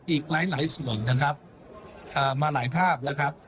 อีกหลายส่วนนะครับมาหลายภาพแล้วครับ